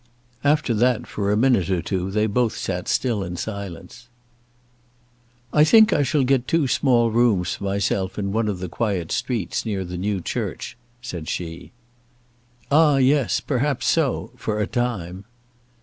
After that for a minute or two they both sat still in silence. "I think I shall get two small rooms for myself in one of the quiet streets, near the new church," said she. "Ah, yes, perhaps so, for a time."